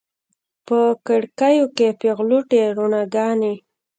په کړکیو کې پیغلوټې روڼاګانې